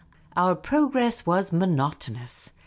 Our progress was monotonous.